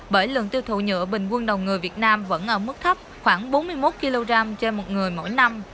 bởi lượng tiêu thụ nhựa bình quân đầu người việt nam vẫn ở mức thấp khoảng bốn mươi một kg trên một người mỗi năm